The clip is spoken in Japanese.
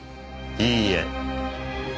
いいえ。